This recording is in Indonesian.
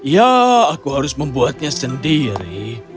ya aku harus membuatnya sendiri